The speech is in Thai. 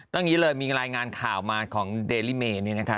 ก็งี้เลยมีรายงานข่าวมาของเดริเมศ์